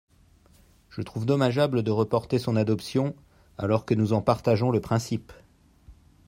Je trouve dommageable de reporter son adoption alors que nous en partageons le principe.